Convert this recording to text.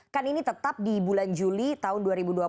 kan ini tetap di bulan juli tahun dua ribu dua puluh